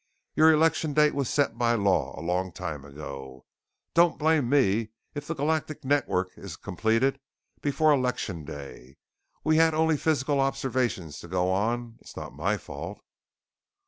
Your election date was set by law a long time ago. Don't blame me if the Galactic Network is completed before Election Day. We had only physical observation to go on. It's not my fault."